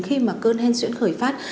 khi mà cơn hen xuyễn khởi phát